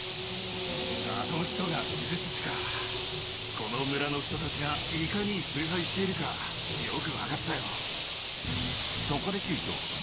この村の人たちがいかに崇拝しているかよく分かったよ。